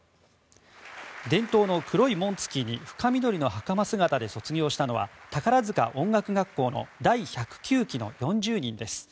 伝統の黒い紋付きに深緑のはかま姿で卒業したのは、宝塚音楽学校の第１０９期の４０人です。